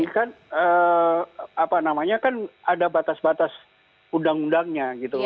ini kan apa namanya kan ada batas batas undang undangnya gitu